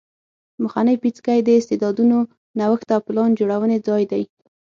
مخنی پیڅکی د استعدادونو نوښت او پلان جوړونې ځای دی